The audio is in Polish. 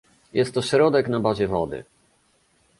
Jest to środek na bazie wody